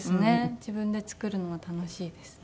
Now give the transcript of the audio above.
自分で作るのは楽しいですね。